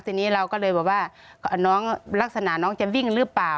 ทีนี้เราก็เลยบอกว่าน้องลักษณะน้องจะวิ่งหรือเปล่า